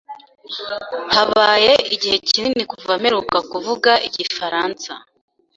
Habaye igihe kinini kuva mperuka kuvuga igifaransa.